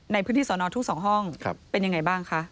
ในพื้นที่สอนอทุ่ง๒ห้องเป็นยังไงบ้างคะ